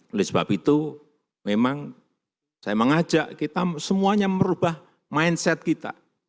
oleh sebab itu memang saya mengajak kita semuanya merubah mindset kita